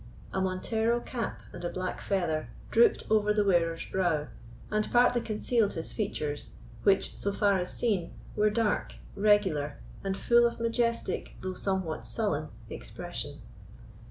A montero cap and a black feather drooped over the wearer's brow, and partly concealed his features, which, so far as seen, were dark, regular, and full of majestic, though somewhat sullen, expression.